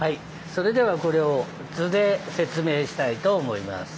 それではこれを図で説明したいと思います。